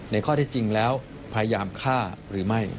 ข้อที่จริงแล้วพยายามฆ่าหรือไม่